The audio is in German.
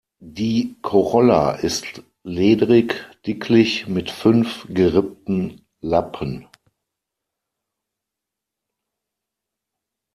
Die Corolla ist ledrig-dicklich mit fünf, gerippten Lappen.